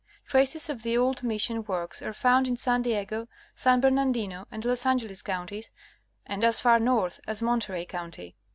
Traces of the old mission works are found in San Diego, San Bernardino and Los Angeles counties, and as far north as Monterey county.